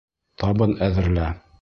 Табын әҙерлә.